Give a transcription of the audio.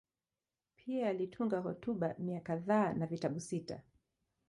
Pia alitunga hotuba mia kadhaa na vitabu sita.